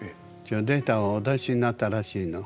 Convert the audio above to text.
データをお出しになったらしいの。